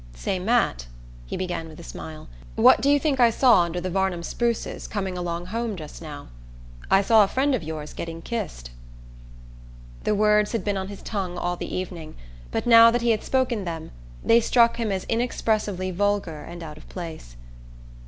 "Say, Matt," he began with a smile, "what do you think I saw under the Varnum spruces, coming along home just now? I saw a friend of yours getting kissed." The words had been on his tongue all the evening, but now that he had spoken them they struck him as inexpressibly vulgar and out of place.